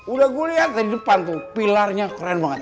udah gue liat dari depan tuh pilarnya keren banget